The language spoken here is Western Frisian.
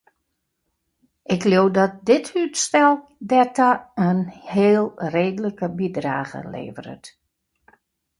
Ik leau dat dit útstel dêrta in heel reedlike bydrage leveret.